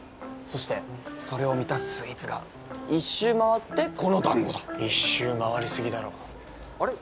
そしてそれを満たすスイーツが一周回ってこのだんごだ一周回りすぎだろあれ？